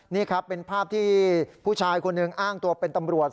นี่ครับเป็นภาพที่ผู้ชายคนหนึ่งอ้างตัวเป็นตำรวจ